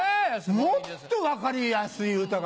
もっと分かりやすい歌が。